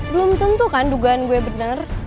belum tentu kan dugaan gue benar